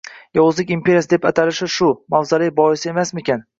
«Yovuzlik imperiyasi» deb atalishi — shu... mavzoley bois emasmikin?